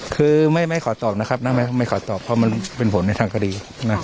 คือไม่ขอตอบเพราะมันเป็นผลในทางการี